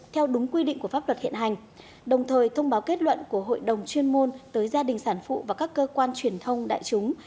theo đúng quy định của pháp luật hiện hành đồng thời thông báo kết luận của hội đồng chuyên môn tới gia đình sản phụ và các cơ quan truyền thông đại chúng